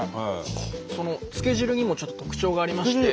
つけ汁にもちょっと特徴がありまして。